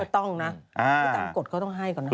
ก็ต้องนะผู้ต้องกดเขาต้องให้ก่อนนะครับ